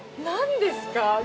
何ですか？